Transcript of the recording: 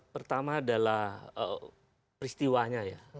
pertama adalah peristiwanya ya